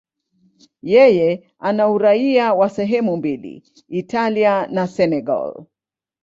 Yeye ana uraia wa sehemu mbili, Italia na Senegal.